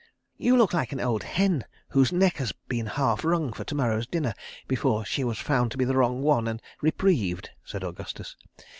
"You look like an old hen whose neck has been half wrung for to morrow's dinner before she was found to be the wrong one, and reprieved," said Augustus.